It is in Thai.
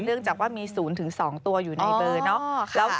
เนื่องจากว่ามี๐ถึง๒ตัวอยู่ในเบอร์เนอะ